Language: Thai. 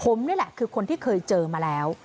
ผมนี่แหละคือคนที่เคยเจอมาแล้ว